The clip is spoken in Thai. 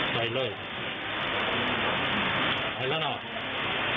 ใจเลยไหลแล้วหน่อยเป็นร้อยเนอะ